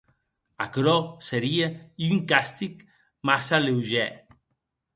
Aquerò serie un castig massa leugèr.